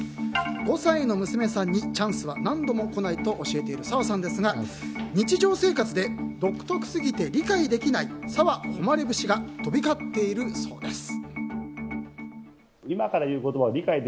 ５歳の娘さんにチャンスは何度も来ないと教えている澤さんですが日常生活で独特すぎて理解できない澤穂希節が飛び交っているそうです。